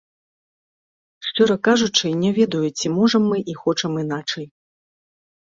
Шчыра кажучы, не ведаю, ці можам мы і хочам іначай.